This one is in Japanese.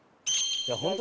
本当